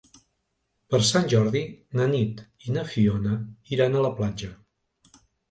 Per Sant Jordi na Nit i na Fiona iran a la platja.